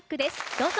どうぞ。